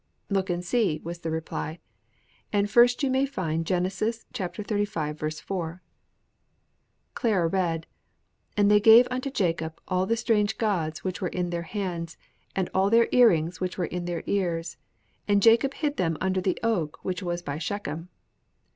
"Look and see," was the reply; "and first you may find Genesis xxxv. 4." Clara read: "'And they gave unto Jacob all the strange gods which were in their hands, and all their earrings which were in their ears; and Jacob hid them under the oak which was by Shechem.'"